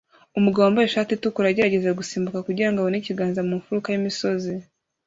Umugabo wambaye ishati itukura agerageza gusimbuka kugirango abone ikiganza mu mfuruka y'imisozi